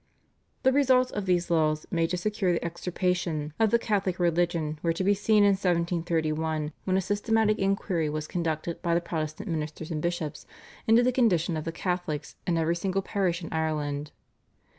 The results of these laws made to secure the extirpation of the Catholic religion were to be seen in 1731 when a systematic inquiry was conducted by the Protestant ministers and bishops into the condition of the Catholics in every single parish in Ireland.